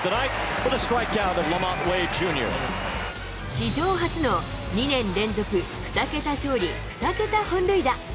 史上初の２年連続２桁勝利２桁本塁打。